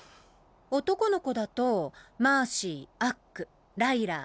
男の子だとマーシーアックライラマックス。